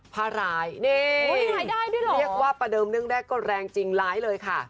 ภารายนี่อุ้ยหายได้ด้วยเหรอเรียกว่าประเดิมเรื่องแรกก็แรงจริงร้ายเลยค่ะ